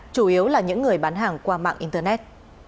chủ yếu là những người bán hàng qua mạng internet